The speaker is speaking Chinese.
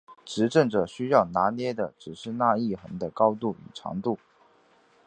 执政者需要拿捏的只是那一横的高度与长度。